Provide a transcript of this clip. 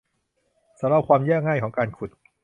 สำหรับความยากง่ายของการขุด